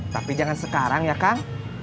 tapi jangan sekarang ya kang